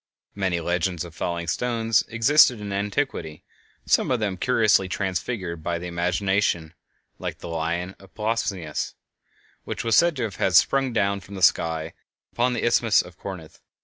Many legends of falling stones existed in antiquity, some of them curiously transfigured by the imagination, like the "Lion of the Peloponnesus," which was said to have sprung down from the sky upon the Isthmus of Corinth.